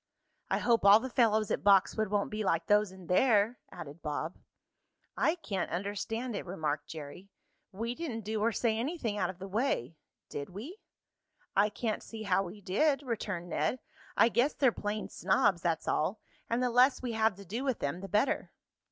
"I hope all the fellows at Boxwood won't be like those in there," added Bob. "I can't understand it," remarked Jerry. "We didn't do or say anything out of the way; did we?" "I can't see how we did," returned Ned. "I guess they're plain snobs, that's all, and the less we have to do with them the better."